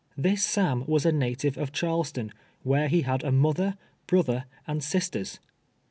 This Sam was a na tive of Charleston, where he had a mother, brother and sisters.